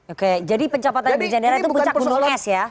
oke jadi pencapaian brigjen endar itu puncak gunung es ya